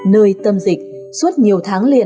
nơi tâm dịch suốt nhiều tháng liền